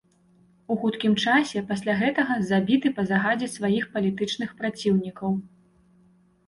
У хуткім часе пасля гэтага забіты па загадзе сваіх палітычных праціўнікаў.